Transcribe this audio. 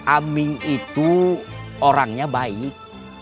aming itu orangnya baik